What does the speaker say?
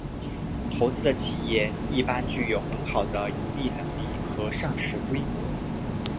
投资的企业一般具有很好的盈利能力和上市规模。